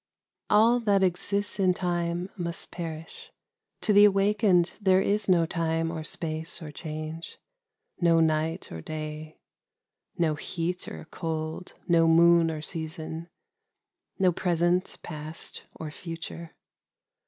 " All that exists in Time must perish. To the Awakened there is no Time or Space or Change, — no night or day, — no heat or cold, — no moon or season, — no present, past, or future.